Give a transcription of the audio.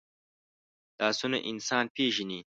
لاسونه انسان پېژني